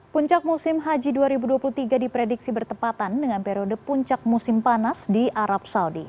puncak musim haji dua ribu dua puluh tiga diprediksi bertepatan dengan periode puncak musim panas di arab saudi